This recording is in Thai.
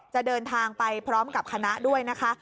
จะเดินทางไปพร้อมกับคณะด้วยนะคะ